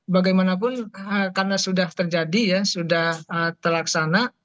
bagaimanapun karena sudah terjadi ya sudah terlaksana